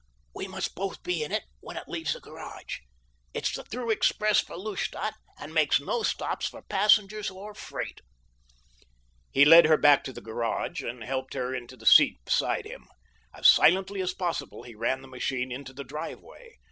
"We must both be in it when it leaves the garage—it's the through express for Lustadt and makes no stops for passengers or freight." He led her back to the garage and helped her into the seat beside him. As silently as possible he ran the machine into the driveway.